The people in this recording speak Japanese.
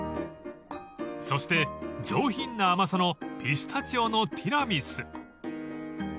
［そして上品な甘さのピスタチオのティラミス］